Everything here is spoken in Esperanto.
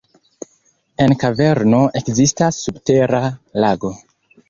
En kaverno ekzistas subtera lago.